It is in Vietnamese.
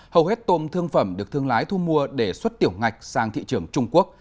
hầu hết tôm thương phẩm được thương lái thu mua để xuất tiểu ngạch sang thị trường trung quốc